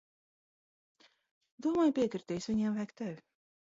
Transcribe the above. Domāju, piekritīs. Viņiem vajag tevi.